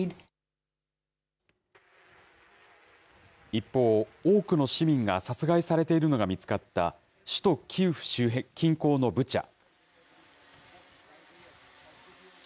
一方、多くの市民が殺害されているのが見つかった首都キーウ近郊のブチャ。